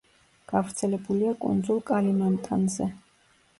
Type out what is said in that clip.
გავრცელებულია კუნძულ კალიმანტანზე.